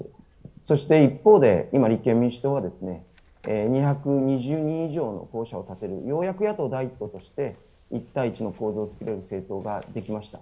そして、一方で、今、立憲民主党は２２０人以上の候補者を立てるようやく野党第１党として１対１の構図を作れる政党ができました。